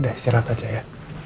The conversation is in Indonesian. udah istirahat aja ya